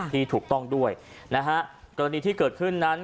ที่ถูกต้องด้วยนะฮะกรณีที่เกิดขึ้นนั้น